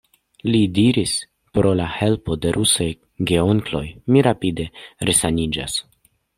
Li diris: Pro la helpo de rusaj geonkloj mi rapide resaniĝas.